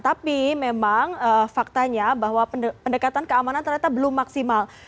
tapi memang faktanya bahwa pendekatan keamanan ternyata belum maksimal